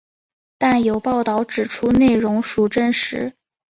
但有报导指出内容属真实。